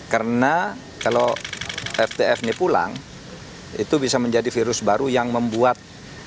karena kalau fdf ini pulang itu bisa menjadi virus baru yang membuat